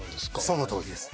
そのとおりです。